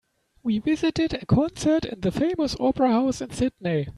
We visited a concert in the famous opera house in Sydney.